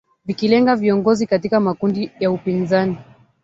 vikilenga viongozi katika makundi ya upinzani